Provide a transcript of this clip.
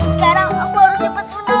sekarang aku harus cepet pulang